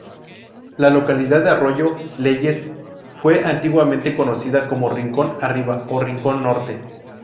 La localidad de Arroyo Leyes, fue antiguamente conocida como Rincón Arriba, o Rincón Norte.